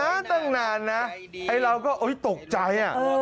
ฟังตั้งนานนะเราก็ตกใจ